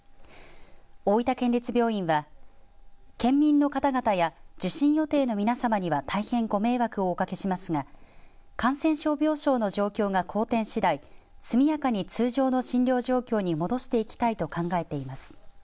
大分県立病院は県民の方々や受診予定の皆様には大変ご迷惑をおかけしますが感染症病床の状況が好転しだい速やかに通常の診療状況に戻していきたいと考えていきます。